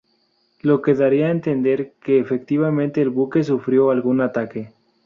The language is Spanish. Lo que daría a entender que efectivamente el buque sufrió algún ataque.